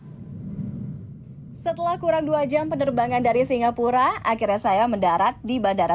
hai setelah kurang dua jam penerbangan dari singapura akhirnya saya mendarat di bandara